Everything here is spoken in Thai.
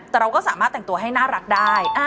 แต่เราก็สามารถแต่งตัวให้น่ารักได้